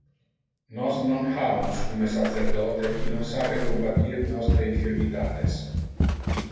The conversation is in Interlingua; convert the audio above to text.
Nos non ha un summe sacerdote qui non sape compatir nostre infirmitates.